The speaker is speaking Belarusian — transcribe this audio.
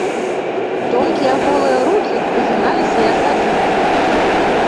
Тонкія голыя рукі выгіналіся, як гадзюкі.